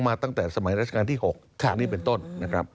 ตั้งแต่สมัยราชการที่๖นี่เป็นต้นนะครับ